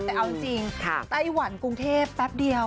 แต่เอาจริงไต้หวันกรุงเทพแป๊บเดียว